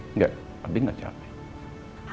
enggak abi gak capek